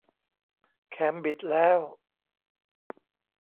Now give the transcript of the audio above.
แคมบิดแล้ว